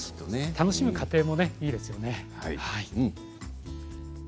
楽しむ過程もいいですね。